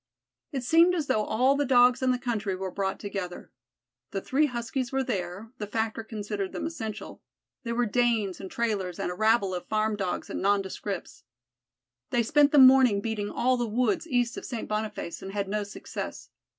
It seemed as though all the Dogs in the country were brought together. The three Huskies were there the Factor considered them essential there were Danes and trailers and a rabble of farm Dogs and nondescripts. They spent the morning beating all the woods east of St. Boniface and had no success.